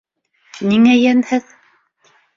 — Ниңә йәнһеҙ?